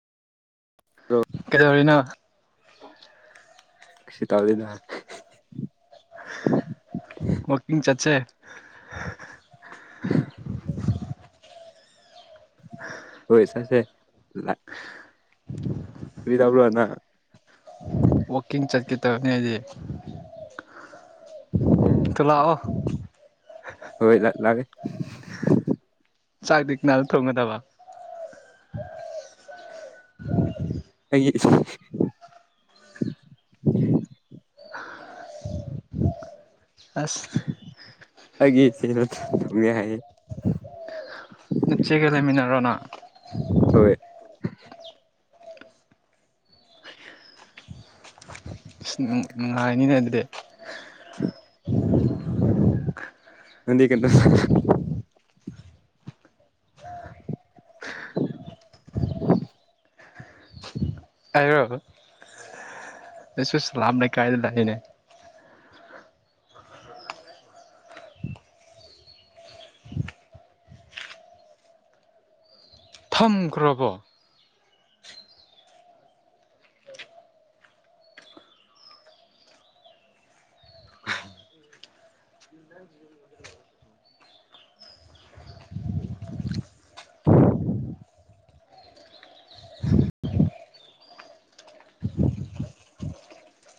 Bro ꯀꯩꯗꯔꯤꯅꯣ ꯀꯩꯁꯨ ꯇꯧꯗꯦꯗ ꯋꯥꯀꯤꯡ ꯆꯠꯁꯦ꯫ ꯑꯥ꯫ ꯍꯣꯏ ꯆꯠꯁꯦ ꯀꯔꯤ ꯇꯕ꯭ꯔꯣ ꯅꯪ꯫ ꯋꯥꯛꯀꯤꯡ ꯆꯠꯀ ꯇꯕꯅꯤ ꯍꯥꯏꯗꯤ ꯎꯝ ꯂꯥꯛꯑꯣ꯫ ꯍꯣꯏ ꯂꯥꯛ ꯂꯒꯦ ꯆꯥꯛꯇꯤ ꯀꯅꯅꯥ ꯊꯣꯡꯒꯗꯕ꯫ ꯑꯩ꯫ ꯑꯁ꯫ ꯑꯒꯤꯆ ꯅ ꯊꯦ ꯍꯥꯏ ꯅꯆꯦꯒ ꯂꯩꯃꯤꯟꯅꯔꯣꯅ ꯍꯣꯏ ꯑꯁ ꯅꯨꯡꯉꯥꯏꯅꯤꯅꯦ ꯑꯗꯨꯗꯤ꯫ ꯅꯪ ꯀ [unintelligible] ꯑꯩꯔꯣ ꯑꯩꯁꯨ ꯁꯂꯥꯝ ꯂꯩꯀꯥꯏꯗ ꯂꯩꯅꯦ꯫ ꯊꯝꯈ꯭ꯔꯕꯣ꯫